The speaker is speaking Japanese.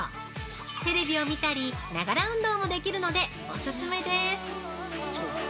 テレビを見たり、ながら運動もできるので、お勧めです！